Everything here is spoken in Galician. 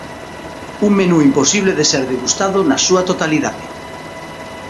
Un menú imposible de ser degustado na súa totalidade.